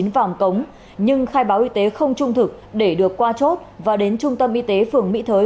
vàm cống nhưng khai báo y tế không trung thực để được qua chốt và đến trung tâm y tế phường mỹ thới